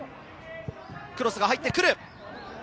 クロスが入ってくる。